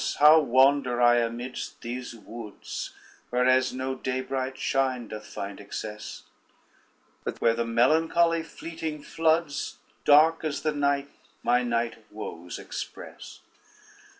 how wander I amidst these woods Whereas no day bright shine doth find access; But where the melancholy fleeting floods, Dark as the night, my night of woes express.